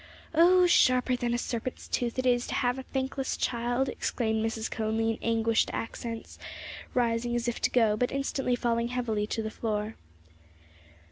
"'Oh, sharper than a serpent's tooth it is to have a thankless child!'" exclaimed Mrs. Conly in anguished accents, rising as if to go, but instantly falling heavily to the floor.